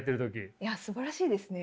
いやすばらしいですね。